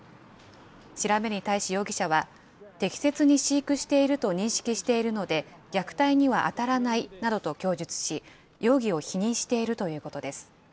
調べに対し、容疑者は適切に飼育していると認識しているので、虐待には当たらないなどと供述し、容疑を否認しているということです。